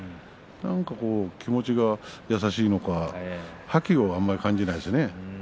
何か気持ちが優しいのか覇気を感じないですよね。